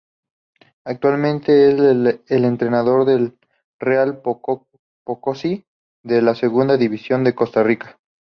Actualmente es el entrenador del Real Pococí de la Segunda División de Costa Rica.